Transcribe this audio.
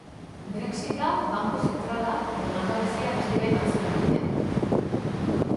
Brexit-a, banku zentrala edo langabezia beste gai batzuen artean.